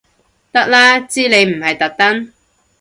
得啦知你唔係特登